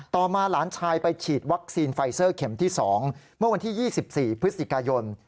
มาหลานชายไปฉีดวัคซีนไฟเซอร์เข็มที่๒เมื่อวันที่๒๔พฤศจิกายน